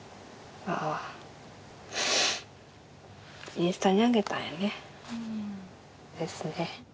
インスタに上げたんやね。ですね。